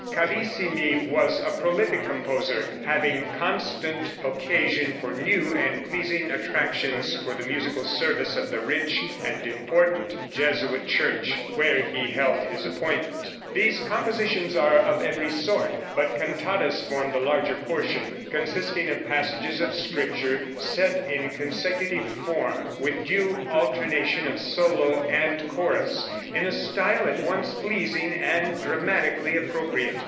Carissimi was a prolific composer, having constant occasion for new and pleasing attractions for the musical service of the rich and important Jesuit church, where he held his appointment. These compositions are of every sort, but cantatas form the larger portion, consisting of passages of Scripture set in consecutive form, with due alternation of solo and chorus, in a style at once pleasing and dramatically appropriate.